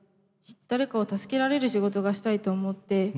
誰かを助けられる仕事がしたいと思って。